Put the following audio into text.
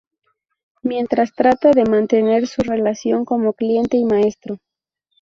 Mientras trata de mantener su relación como cliente y maestro.